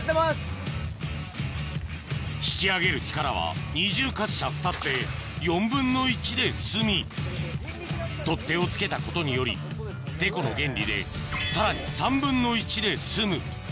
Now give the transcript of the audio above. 引き上げる力は二重滑車２つで４分の１で済み取っ手を付けたことによりてこの原理でさらに３分の１で済む